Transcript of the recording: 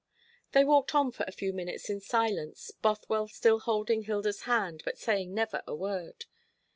They walked on for a few minutes in silence, Bothwell still holding Hilda's hand, but saying never a word.